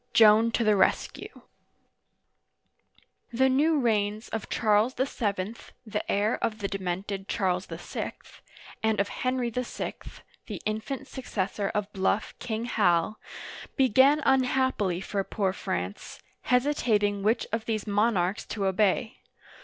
JOAN TO THE RESCUE THE new reigns of Charles VII. (the heir of the de mented Charles VI.) and of Henry VI. (the infant successor of bluff " King Hal") began unhappily for poor France, hesitating which of these monarchs to obey.